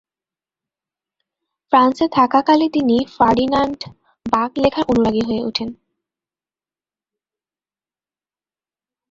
ফ্রান্সে থাকাকালে তিনি ফার্ডিনান্ড বাক লেখার অনুরাগী হয়ে উঠেন।